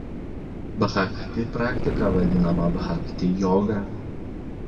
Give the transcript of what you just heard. Bhakti praktika vadinama Bhakti joga.